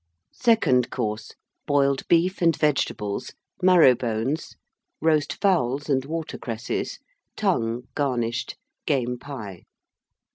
SECOND COURSE. Boiled Beef and Vegetables. Marrow bones. Roast Fowls and Water cresses Tongue, garnished. Game Pie.